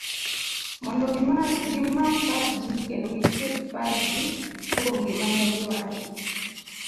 mondo gimak pachji, kendo giket pachgi kuom gima negiwacho